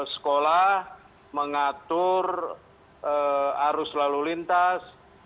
sekolah mengatur arus lalu lintas